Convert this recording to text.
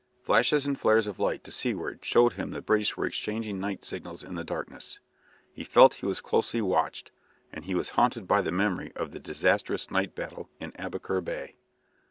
Flashes and flares of light to seaward showed him the British were exchanging night signals in the darkness. He felt he was closely watched, and he was haunted by the memory of the disastrous night battle in Aboukir Bay.